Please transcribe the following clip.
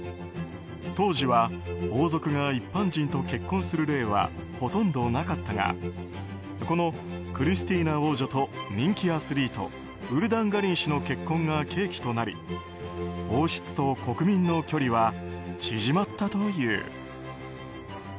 当時は王族が一般人と結婚する例はほとんどなかったがこのクリスティーナ王女と人気アスリートウルダンガリン氏の結婚が契機となり、王室と国民の距離は縮まったという。